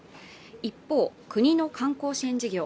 一方国の観光支援事業